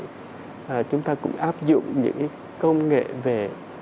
chúng ta cũng áp dụng những công nghệ về